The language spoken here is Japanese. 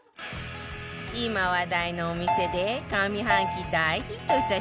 今話題のお店で上半期大ヒットした商品